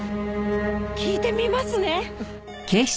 聞いてみますね。